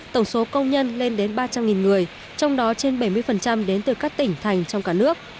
tổng số công nhân lên đến ba trăm linh người trong đó trên bảy mươi đến từ các tỉnh thành trong cả nước